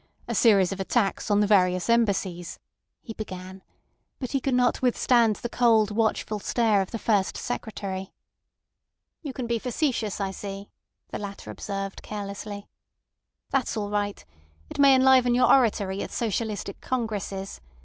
A series of attacks on the various Embassies," he began; but he could not withstand the cold, watchful stare of the First Secretary. "You can be facetious, I see," the latter observed carelessly. "That's all right. It may enliven your oratory at socialistic congresses.